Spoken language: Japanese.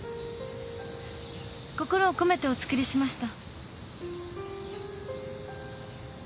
心を込めてお作りしました。